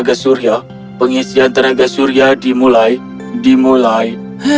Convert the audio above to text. tenaga surya pengisian tenaga surya dimulai dimulai